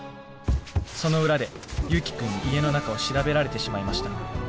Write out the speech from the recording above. その裏で祐樹君に家の中を調べられてしまいました。